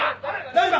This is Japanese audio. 大丈夫か！？